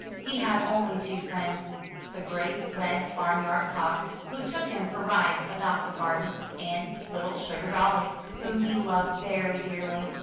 He had only two friends — the great red barnyard cock who took him for rides about the garden, and 94 UP ONE PAIR OF STAIRS little SugardoUy whom he loved very dearly.